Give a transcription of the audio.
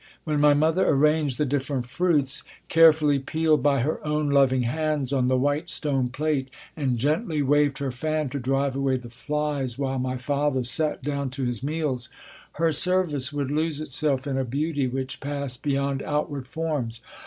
When my mother arranged the different fruits, carefully peeled by her own loving hands, on the white stone plate, and gently waved her fan to drive away the flies while my father sat down to his meals, her service would lose itself in a beauty which passed beyond outward forms.